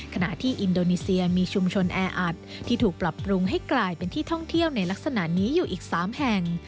ขณะที่อินโดนีเซียมีชุมชนแออัดที่ถูกปรับปรุงให้กลายเป็นที่ท่องเที่ยวในลักษณะนี้อยู่อีก๓แห่ง